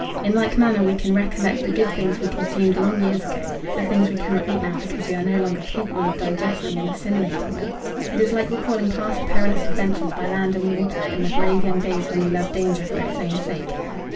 In like manner we can recollect the good things we consumed long years ago the things we cannot eat now because we are no longer capable of digesting and assimilating them; it is like recalling past perilous adventures by land and water in the brave young days when we loved danger for its own sake.